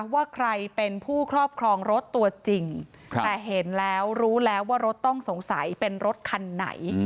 ว่าใครเป็นผู้ครอบครองรถตัวจริงแต่เห็นแล้วรู้แล้วว่ารถต้องสงสัยเป็นรถคันไหน